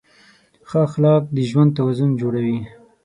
ښه اخلاق د ژوند توازن جوړوي.